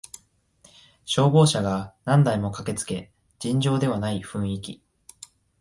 消防車が何台も駆けつけ尋常ではない雰囲気